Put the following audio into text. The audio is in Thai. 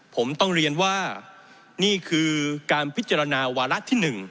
ผมต้องเรียนว่านี่คือการพิจารณาวาระที่๑